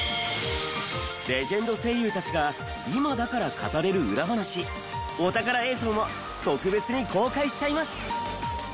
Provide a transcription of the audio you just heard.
レジェンド声優たちが今だから語れる裏話お宝映像も特別に公開しちゃいます。